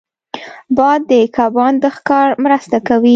باد د کبان د ښکار مرسته کوي